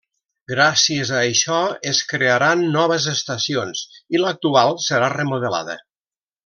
Gràcies a això es crearan noves estacions i l'actual serà remodelada.